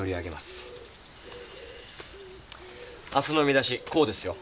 明日の見出しこうですよ。